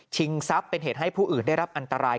ทรัพย์เป็นเหตุให้ผู้อื่นได้รับอันตราย